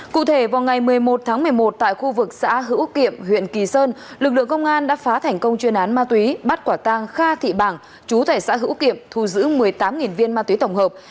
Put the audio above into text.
cụ thể vào ngày một mươi một tháng một mươi một tại khu vực xã hữu kiệm huyện kỳ sơn lực lượng công an đã phá thành công chuyên án ma túy bắt quả tang kha thị bảng chú thẻ xã hữu kiệm thu giữ một mươi tám viên ma túy tổng hợp